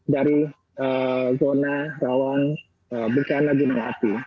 dari zona rawan bencana gunung api